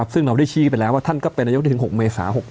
ซึ่งเราได้ชี้ไปแล้วว่าท่านก็เป็นนายกได้ถึง๖เมษา๖๖